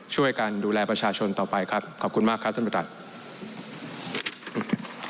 ช่วยกันดูแลประชาชนต่อไปครับขอบคุณมากครับท่านประธาน